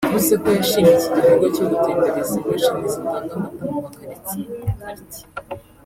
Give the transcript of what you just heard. yavuze ko yashimye iki gikorwa cyo gutembereza imashini zitanga amata mu ma karitsiye (quartiers)